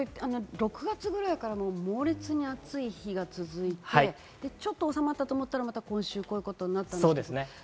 ６月ぐらいから猛烈に暑い日が続いて、ちょっと収まったと思ったら、また今週こういうことになったんですけれども。